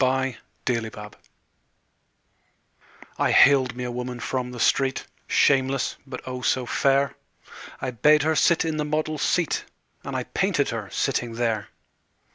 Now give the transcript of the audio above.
My Madonna I haled me a woman from the street, Shameless, but, oh, so fair! I bade her sit in the model's seat And I painted her sitting there.